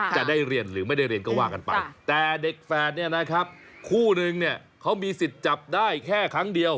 จะได้เรียนหรือไม่ได้เรียนก็ว่ากันไปแต่เด็กแฝดเนี่ยนะครับคู่นึงเนี่ยเขามีสิทธิ์จับได้แค่ครั้งเดียว